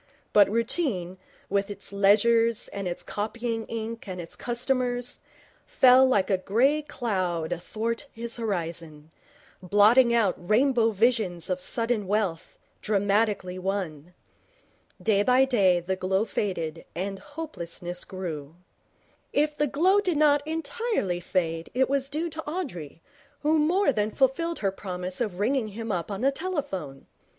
But routine, with its ledgers and its copying ink and its customers, fell like a grey cloud athwart his horizon, blotting out rainbow visions of sudden wealth, dramatically won. Day by day the glow faded and hopelessness grew. If the glow did not entirely fade it was due to Audrey, who more than fulfilled her promise of ringing him up on the telephone.